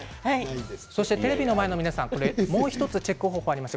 テレビの前の皆さんにもう１つチェック方法があります。